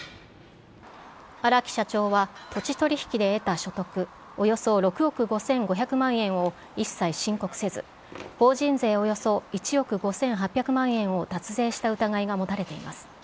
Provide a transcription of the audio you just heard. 荒木社長は土地取り引きで得た所得およそ６億５５００万円を一切申告せず、法人税およそ１億５８００万円を脱税した疑いが持たれています。